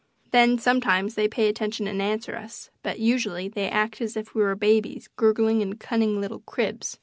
Then, sometimes, they pay attention and answer us, but usually they act as if we were babies gurgling in cunning little cribs.